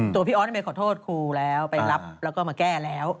พี่ออสเมย์ขอโทษครูแล้วไปรับแล้วก็มาแก้แล้ว